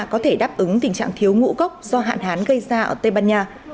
có thể đáp ứng tình trạng thiếu ngũ cốc do hạn hán gây ra ở tây ban nha